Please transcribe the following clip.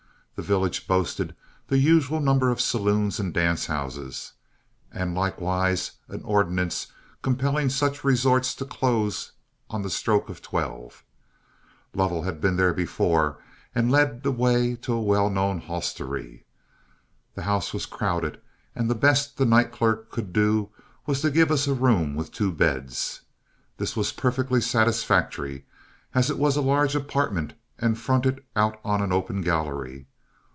The village boasted the usual number of saloons and dance houses, and likewise an ordinance compelling such resorts to close on the stroke of twelve. Lovell had been there before, and led the way to a well known hostelry. The house was crowded, and the best the night clerk could do was to give us a room with two beds. This was perfectly satisfactory, as it was a large apartment and fronted out on an open gallery.